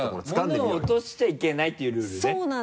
物を落としちゃいけないっていうルールね？